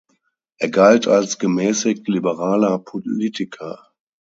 Er galt als gemäßigt liberaler Politiker.